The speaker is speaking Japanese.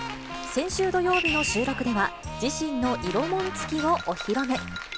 先週土曜日の収録では、自身の色紋付きをお披露目。